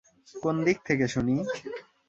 কোন দিক থেকে শুনি?